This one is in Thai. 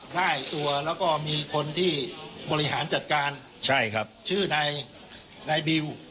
ได้ตัวแล้วก็มีคนที่บริหารจัดการใช่ครับชื่อนายบิว